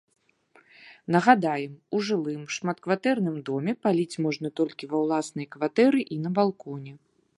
Нагадаем, у жылым шматкватэрным доме паліць можна толькі ва ўласнай кватэры і на балконе.